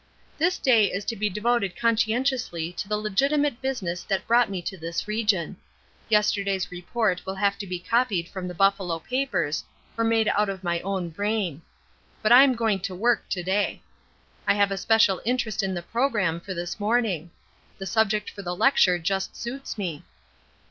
"This day is to be devoted conscientiously to the legitimate business that brought me to this region. Yesterday's report will have to be copied from the Buffalo papers, or made out of my own brain. But I'm going to work to day. I have a special interest in the programme for this morning. The subject for the lecture just suits me."